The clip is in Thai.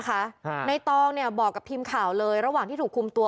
ในตองเนี่ยบอกกับทีมข่าวเลยระหว่างที่ถูกคุมตัว